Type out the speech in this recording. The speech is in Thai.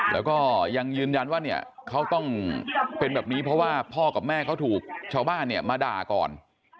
แล้วก็ยังยืนยันว่าเนี่ยเขาต้องเป็นแบบนี้เพราะว่าพ่อกับแม่เขาถูกชาวบ้านเนี่ยมาด่าก่อน